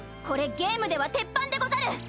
これゲームでは鉄板でござる！